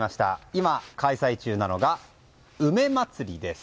今、開催中なのが梅まつりです。